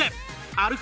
歩く